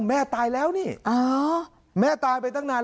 แม่ตายแล้วนี่แม่ตายไปตั้งนาน